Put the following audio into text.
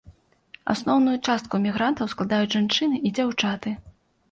Асноўную частку эмігрантаў складаюць жанчыны і дзяўчаты.